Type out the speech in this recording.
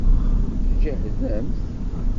Sǧehdemt!